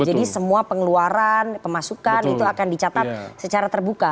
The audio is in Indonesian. jadi semua pengeluaran pemasukan itu akan dicatat secara terbuka